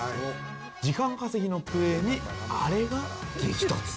時間稼ぎのプレーに、あれが激突。